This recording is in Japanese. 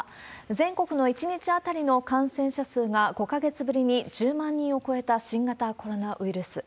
全国の１日当たりの感染者数が５か月ぶりに１０万人を超えた新型コロナウイルス。